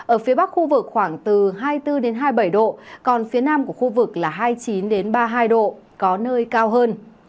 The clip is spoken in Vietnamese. ở phía bắc khu vực khoảng từ hai mươi bốn hai mươi bảy độ còn phía nam của khu vực là hai mươi chín ba mươi hai độ có nơi cao hơn